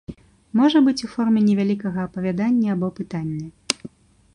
Можа быць у форме невялікага апавядання або пытання.